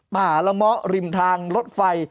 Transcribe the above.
มหาละเมาะริมทางรถไฟ